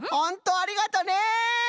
ありがとう！